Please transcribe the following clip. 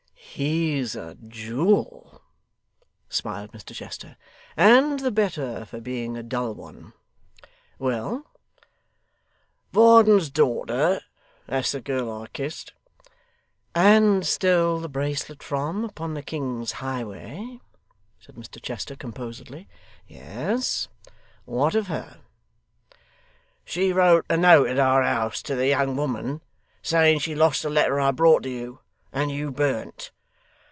'He's a jewel,' smiled Mr Chester, 'and the better for being a dull one. Well?' 'Varden's daughter that's the girl I kissed '' and stole the bracelet from upon the king's highway,' said Mr Chester, composedly. 'Yes; what of her?' 'She wrote a note at our house to the young woman, saying she lost the letter I brought to you, and you burnt.